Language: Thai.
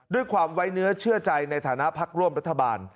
ด้วยความไว้เนื้อเชื่อใจในฐานะพักร่วมรัฐบาล